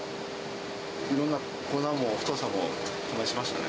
いろんな粉も太さも試しましたね。